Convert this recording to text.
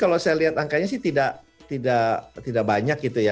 kalau saya lihat angkanya sih tidak banyak gitu ya